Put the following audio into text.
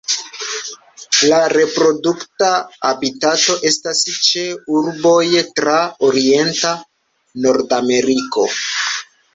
La reprodukta habitato estas ĉe urboj tra orienta Nordameriko.